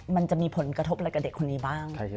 มันจะมีผลกระทบอะไรกับเด็กคนนี้บ้าง